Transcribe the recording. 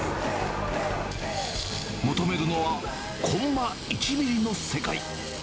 求めるのは、コンマ１ミリの世界。